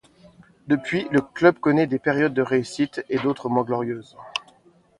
Depuis, le club connaît des périodes de réussite et d'autres moins glorieuses.